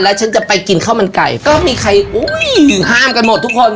ฉันจะไปกินข้าวมันไก่ก็มีใครอุ้ยถึงห้ามกันหมดทุกคน